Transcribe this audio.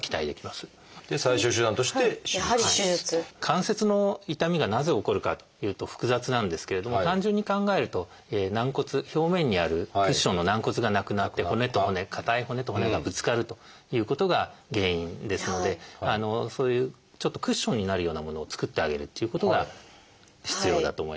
関節の痛みがなぜ起こるかというと複雑なんですけれども単純に考えると軟骨表面にあるクッションの軟骨がなくなって骨と骨硬い骨と骨がぶつかるということが原因ですのでそういうちょっとクッションになるようなものを作ってあげるっていうことが必要だと思います。